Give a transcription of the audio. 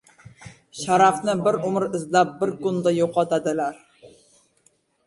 • Sharafni bir umr izlab, bir kunda yo‘qotadilar.